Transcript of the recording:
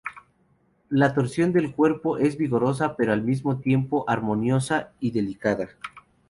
La torsión del cuerpo es vigorosa, pero al mismo tiempo armoniosa y delicada.